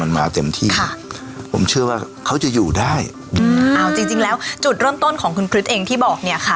มันมาเต็มที่ค่ะผมเชื่อว่าเขาจะอยู่ได้อืมเอาจริงจริงแล้วจุดเริ่มต้นของคุณคริสเองที่บอกเนี้ยค่ะ